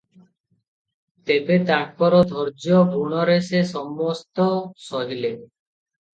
ତେବେ ତାଙ୍କର ଧୈର୍ଯ୍ୟ ଗୁଣରେ ସେ ସମସ୍ତ ସହିଲେ ।